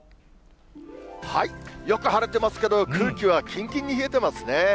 よく晴れてますけど、空気はきんきんに冷えてますね。